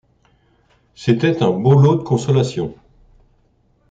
C’était un beau lot de consolation.